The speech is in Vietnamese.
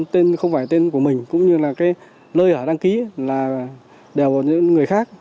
tên không phải tên của mình cũng như lời hỏi đăng ký là đều của những người khác